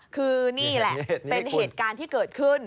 คือนี่แหละเป็นเหตุการณ์ที่เกิดขึ้น